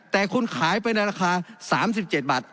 แต่คุณขายไปในราคา๓๗บาท